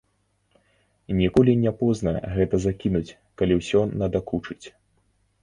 Ніколі не позна гэта закінуць, калі ўсё надакучыць.